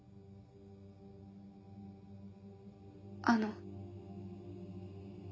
あの。